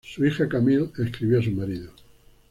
Su hija Camille escribió a su marido.